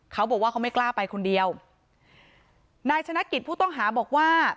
เขาบอกว่าเขาไม่กล้าไปคนเดียวนายชนะกิจผู้ต้องหาบอกว่า